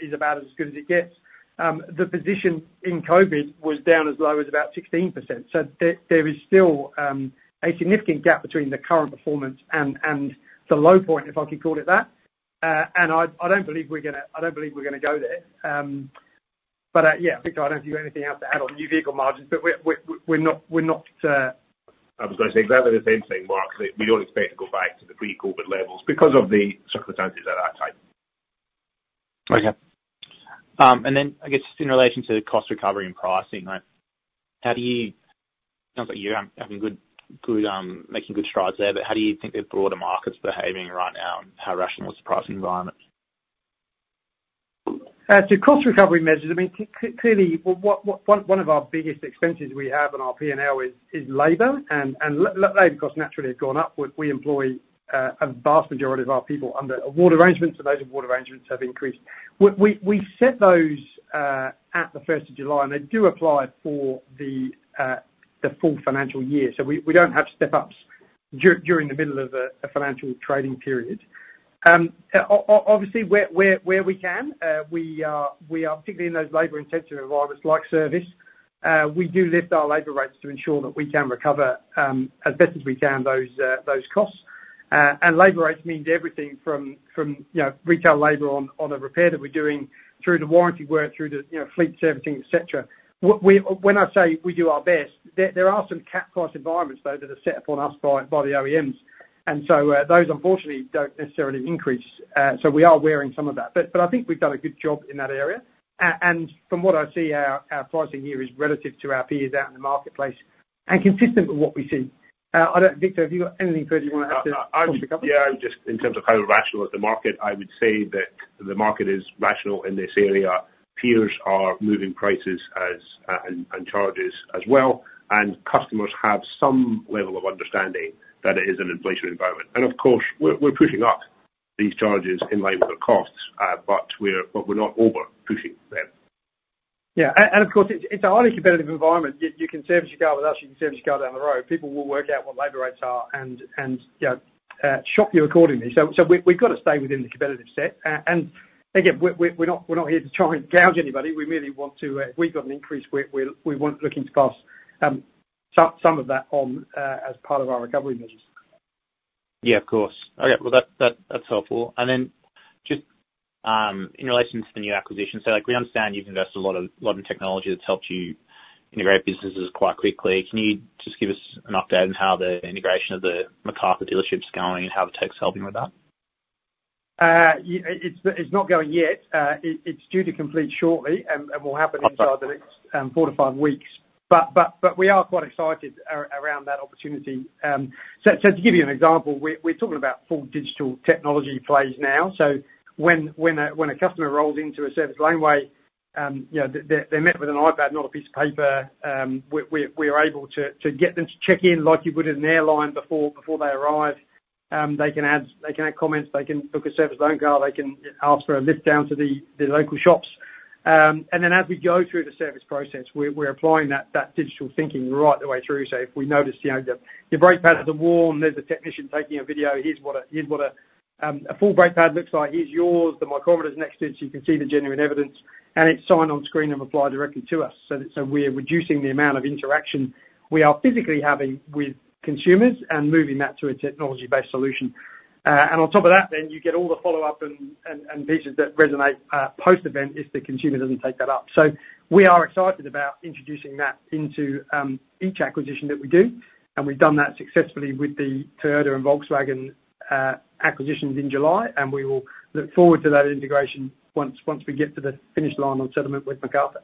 is about as good as it gets. The position in COVID was down as low as about 16%. So there is still a significant gap between the current performance and the low point, if I can call it that. I don't believe we're going to go there. But yeah, Victor, I don't know if you've got anything else to add on new vehicle margins, but we're not to. I was going to say exactly the same thing, Mark, that we don't expect to go back to the pre-COVID levels because of the circumstances at that time. Okay. Then, I guess, just in relation to cost recovery and pricing, right, how do you it sounds like you're making good strides there, but how do you think the broader market's behaving right now and how rational is the pricing environment? So cost recovery measures, I mean, clearly, one of our biggest expenses we have in our P&L is labor. And labor costs naturally have gone up. We employ a vast majority of our people under award arrangements, and those award arrangements have increased. We set those at the 1st of July, and they do apply for the full financial year. So we don't have step-ups during the middle of a financial trading period. Obviously, where we can, we are particularly in those labor-intensive environments like service. We do lift our labor rates to ensure that we can recover as best as we can those costs. And labor rates mean everything from retail labor on a repair that we're doing through the warranty work, through the fleet servicing, etc. When I say we do our best, there are some cap-priced environments, though, that are set up on us by the OEMs. And so those, unfortunately, don't necessarily increase. So we are wearing some of that. But I think we've done a good job in that area. From what I see, our pricing here is relative to our peers out in the marketplace and consistent with what we see. Victor, have you got anything further you want to add to cost recovery? Yeah. Just in terms of how rational is the market, I would say that the market is rational in this area. Peers are moving prices and charges as well, and customers have some level of understanding that it is an inflationary environment. And of course, we're pushing up these charges in line with our costs, but we're not overpushing them. Yeah. And of course, it's our only competitive environment. You can service your car with us. You can service your car down the road. People will work out what labor rates are and shop you accordingly. So we've got to stay within the competitive set. Again, we're not here to try and gouge anybody. We merely want to if we've got an increase, we're looking to pass some of that on as part of our recovery measures. Yeah, of course. Okay. Well, that's helpful. Then just in relation to the new acquisition, so we understand you've invested a lot in technology that's helped you integrate businesses quite quickly. Can you just give us an update on how the integration of the Macarthur dealership's going and how the tech's helping with that? It's not going yet. It's due to complete shortly and will happen inside the next 4-5 weeks. But we are quite excited around that opportunity. So to give you an example, we're talking about full digital technology plays now. So when a customer rolls into a service laneway, they're met with an iPad, not a piece of paper. We are able to get them to check in like you would an airline before they arrive. They can add comments. They can book a service loan car. They can ask for a lift down to the local shops. And then as we go through the service process, we're applying that digital thinking right the way through. So if we notice your brake pad isn't worn, there's a technician taking a video. Here's what a full brake pad looks like. Here's yours. The micrometer's next to it so you can see the genuine evidence. And it's signed on screen and applied directly to us. So we're reducing the amount of interaction we are physically having with consumers and moving that to a technology-based solution. And on top of that, then you get all the follow-up and pieces that resonate post-event if the consumer doesn't take that up. So we are excited about introducing that into each acquisition that we do. And we've done that successfully with the Toyota and Volkswagen acquisitions in July, and we will look forward to that integration once we get to the finish line on settlement with Macarthur.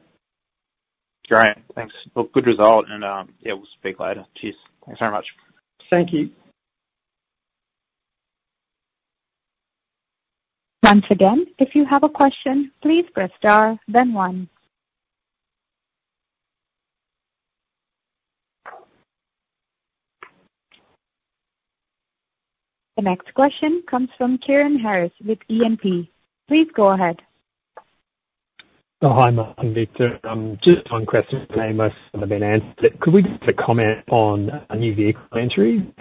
Great. Thanks. Look, good result. And yeah, we'll speak later. Cheers. Thanks very much. Thank you. Once again, if you have a question, please press star, then one. The next question comes from Kieran Harris with E&P. Please go ahead. Oh, hi, Mark. Hi Victor. Just one question. The rest have been answered. Could we just get a comment on a new vehicle entry?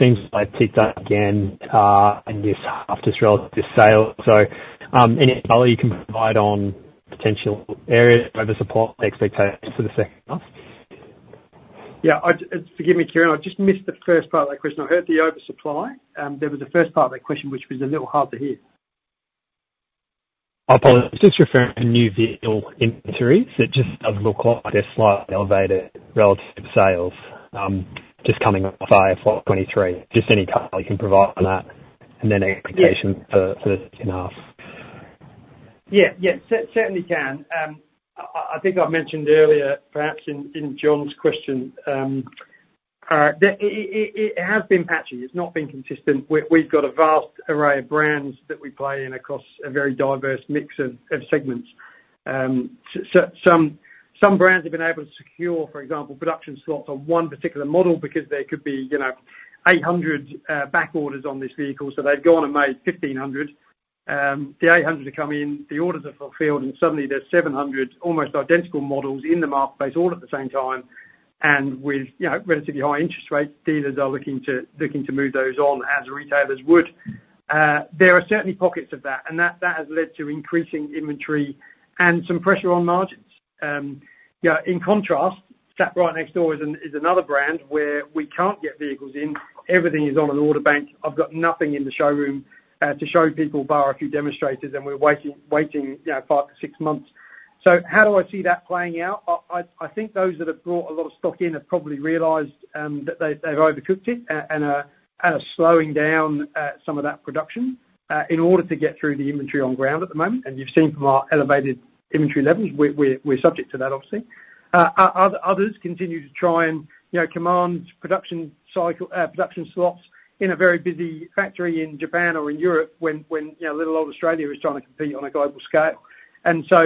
Seems like I've ticked that again in this half just relative to sale. So any color you can provide on potential area oversupply expectations for the H2? Yeah. Forgive me, Kieran. I just missed the first part of that question. I heard the oversupply. There was a first part of that question which was a little hard to hear. I apologize. Just referring to new vehicle inventories that just does look like they're slightly elevated relative to sales just coming off FY23. Just any color you can provide on that and then expectations for the H2. Yeah. Yeah. Certainly can. I think I mentioned earlier, perhaps in John's question, that it has been patchy. It's not been consistent. We've got a vast array of brands that we play in across a very diverse mix of segments. Some brands have been able to secure, for example, production slots on one particular model because there could be 800 backorders on this vehicle. So they've gone and made 1,500. The 800 have come in. The orders are fulfilled, and suddenly there's 700 almost identical models in the marketplace all at the same time. With relatively high interest rates, dealers are looking to move those on as retailers would. There are certainly pockets of that, and that has led to increasing inventory and some pressure on margins. In contrast, [SatRight] Next Door is another brand where we can't get vehicles in. Everything is on an order bank. I've got nothing in the showroom to show people bar a few demonstrators, and we're waiting 5-6 months. So how do I see that playing out? I think those that have brought a lot of stock in have probably realized that they've overcooked it and are slowing down some of that production in order to get through the inventory on ground at the moment. And you've seen from our elevated inventory levels, we're subject to that, obviously. Others continue to try and command production slots in a very busy factory in Japan or in Europe when little old Australia is trying to compete on a global scale. And so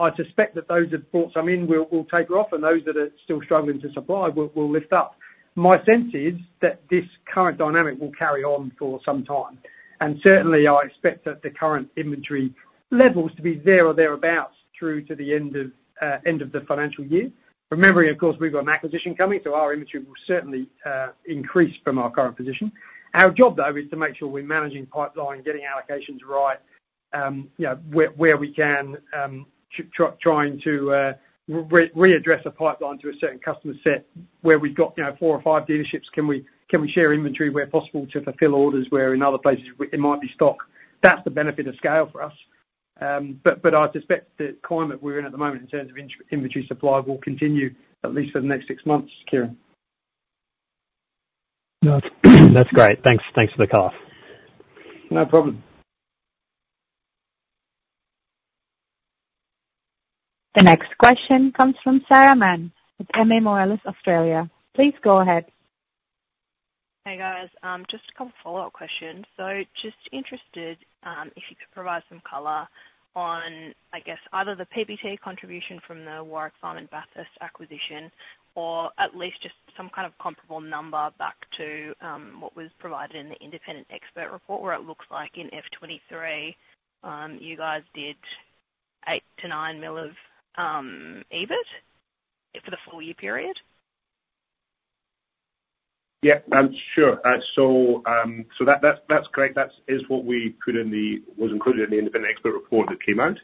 I suspect that those that brought some in will take off, and those that are still struggling to supply will lift up. My sense is that this current dynamic will carry on for some time. And certainly, I expect that the current inventory levels to be there or thereabouts through to the end of the financial year. Remembering, of course, we've got an acquisition coming, so our inventory will certainly increase from our current position. Our job, though, is to make sure we're managing pipeline, getting allocations right where we can, trying to readdress a pipeline to a certain customer set. Where we've got four or five dealerships, can we share inventory where possible to fulfill orders where in other places it might be stock? That's the benefit of scale for us. But I suspect the climate we're in at the moment in terms of inventory supply will continue at least for the next six months, Kieran. No, that's great. Thanks for the call. No problem. The next question comes from Sarah Mann at Moelis Australia. Please go ahead. Hey, guys. Just a couple of follow-up questions. So just interested if you could provide some color on, I guess, either the PBT contribution from the Warwick Farm and Bathurst acquisition or at least just some kind of comparable number back to what was provided in the independent expert report where it looks like in F23 you guys did 8-9 million of EBIT for the full year period. Yeah, sure. So that's great. That is what we put in there, was included in the independent expert report that came out.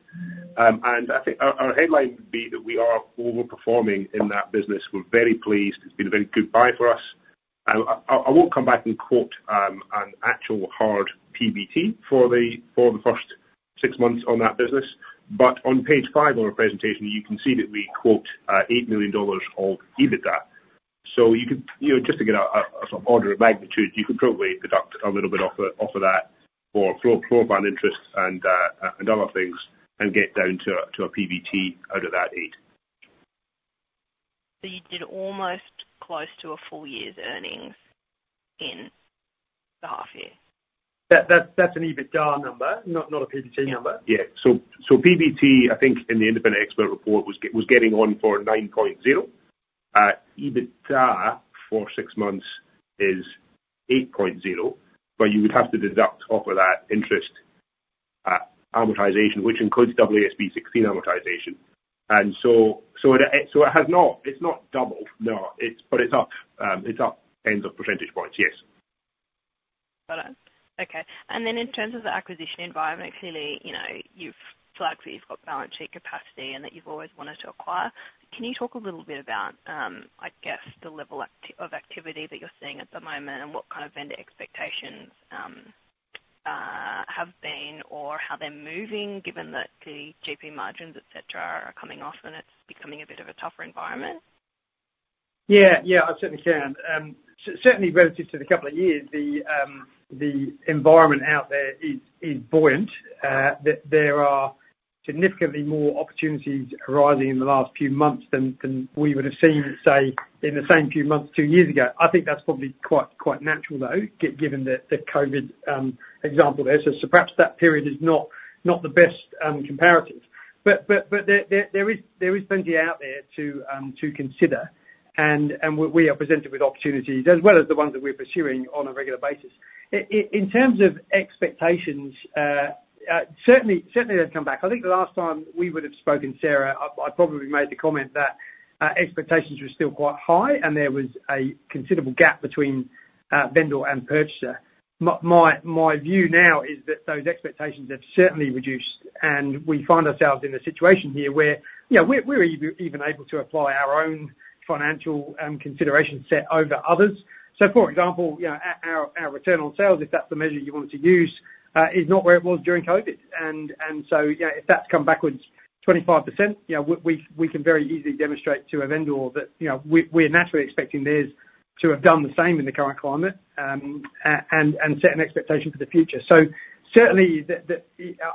And I think our headline would be that we are overperforming in that business. We're very pleased. It's been a very good buy for us. I won't come back and quote an actual hard PBT for the first six months on that business. But on page five of our presentation, you can see that we quote 8 million dollars of EBITDA. So just to get a sort of order of magnitude, you could probably deduct a little bit off of that for floor plan interest and other things and get down to a PBT out of that eight. So you did almost close to a full year's earnings in the half year? That's an EBITDA number, not a PBT number. Yeah. So PBT, I think, in the independent expert report was getting on for 9.0. EBITDA for six months is 8.0, but you would have to deduct off of that interest amortization, which includes AASB 16 amortization. And so it has not; it's not doubled, no, but it's up tens of percentage points, yes. Got it. Okay. And then in terms of the acquisition environment, clearly, you've flagged that you've got balance sheet capacity and that you've always wanted to acquire. Can you talk a little bit about, I guess, the level of activity that you're seeing at the moment and what kind of vendor expectations have been or how they're moving given that the GP margins, etc., are coming off and it's becoming a bit of a tougher environment? Yeah. Yeah. I certainly can. Certainly, relative to the couple of years, the environment out there is buoyant. There are significantly more opportunities arising in the last few months than we would have seen, say, in the same few months two years ago. I think that's probably quite natural, though, given the COVID example there. Perhaps that period is not the best comparative. There is plenty out there to consider, and we are presented with opportunities as well as the ones that we're pursuing on a regular basis. In terms of expectations, certainly, they've come back. I think the last time we would have spoken, Sarah, I'd probably made the comment that expectations were still quite high and there was a considerable gap between vendor and purchaser. My view now is that those expectations have certainly reduced, and we find ourselves in a situation here where we're even able to apply our own financial consideration set over others. So, for example, our return on sales, if that's the measure you wanted to use, is not where it was during COVID. And so if that's come backwards 25%, we can very easily demonstrate to a vendor that we're naturally expecting theirs to have done the same in the current climate and set an expectation for the future. So certainly,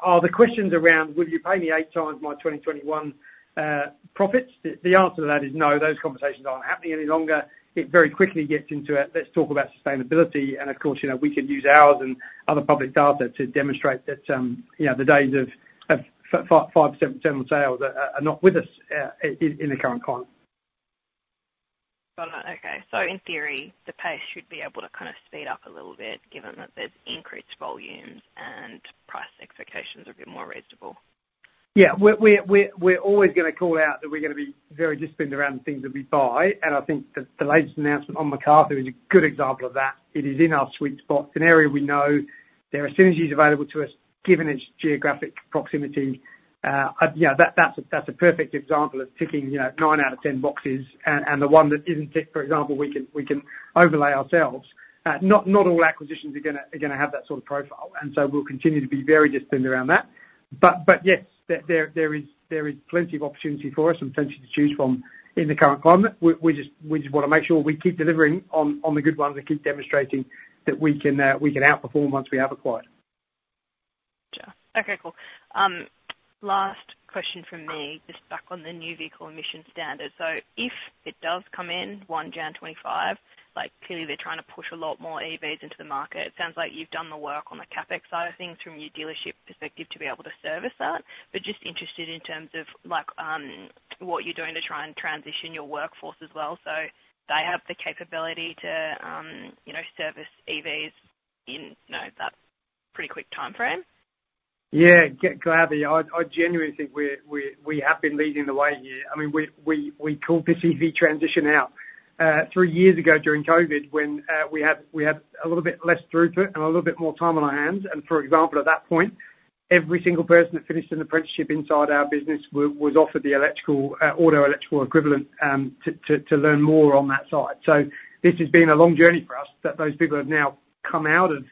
are the questions around, will you pay me eight times my 2021 profits? The answer to that is no. Those conversations aren't happening any longer. It very quickly gets into a, let's talk about sustainability. And of course, we can use ours and other public data to demonstrate that the days of 5% return on sales are not with us in the current climate. Got it. Okay. So in theory, the pace should be able to kind of speed up a little bit given that there's increased volumes and price expectations are a bit more reasonable. Yeah. We're always going to call out that we're going to be very disciplined around things that we buy. And I think the latest announcement on Macarthur is a good example of that. It is in our sweet spot. It's an area we know there are synergies available to us given its geographic proximity. That's a perfect example of ticking nine out of 10 boxes. And the one that isn't ticked, for example, we can overlay ourselves. Not all acquisitions are going to have that sort of profile. And so we'll continue to be very disciplined around that. But yes, there is plenty of opportunity for us and plenty to choose from in the current climate. We just want to make sure we keep delivering on the good ones and keep demonstrating that we can outperform once we have acquired. Gotcha. Okay. Cool. Last question from me, just back on the new vehicle efficiency standards. So if it does come in 1 January 2025, clearly, they're trying to push a lot more EVs into the market. Sounds like you've done the work on the CapEx side of things from your dealership perspective to be able to service that, but just interested in terms of what you're doing to try and transition your workforce as well. So they have the capability to service EVs in that pretty quick timeframe. Yeah. Gladly. I genuinely think we have been leading the way here. I mean, we called this EV transition out three years ago during COVID when we had a little bit less throughput and a little bit more time on our hands. And for example, at that point, every single person that finished an apprenticeship inside our business was offered the auto electrical equivalent to learn more on that side. So this has been a long journey for us, that those people have now come out of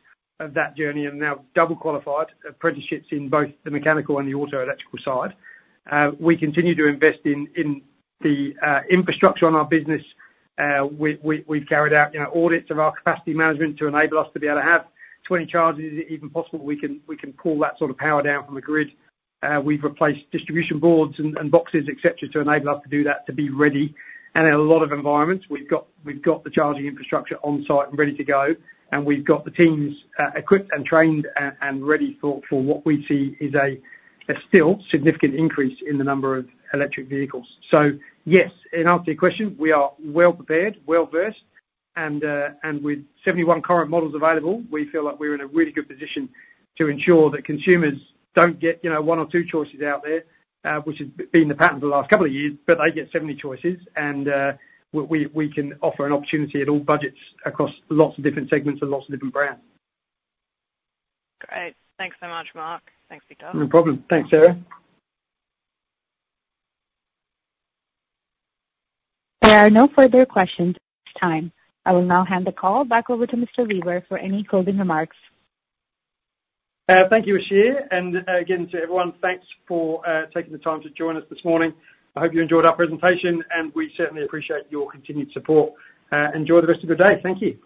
that journey and now double-qualified apprenticeships in both the mechanical and the auto electrical side. We continue to invest in the infrastructure on our business. We've carried out audits of our capacity management to enable us to be able to have 20 charges. Is it even possible we can pull that sort of power down from the grid? We've replaced distribution boards and boxes, etc., to enable us to do that, to be ready. In a lot of environments, we've got the charging infrastructure on-site and ready to go, and we've got the teams equipped and trained and ready for what we see is still a significant increase in the number of electric vehicles. So yes, in answer to your question, we are well prepared, well-versed. And with 71 current models available, we feel like we're in a really good position to ensure that consumers don't get one or two choices out there, which has been the pattern for the last couple of years, but they get 70 choices. And we can offer an opportunity at all budgets across lots of different segments and lots of different brands. Great. Thanks so much, Mark. Thanks, Victor. No problem. Thanks, Sarah. There are no further questions at this time. I will now hand the call back over to Mr. Weaver for any closing remarks. Thank you, Ashia And again, to everyone, thanks for taking the time to join us this morning. I hope you enjoyed our presentation, and we certainly appreciate your continued support. Enjoy the rest of your day. Thank you.